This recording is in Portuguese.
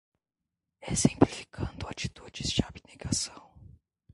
Exemplificando atitudes de abnegação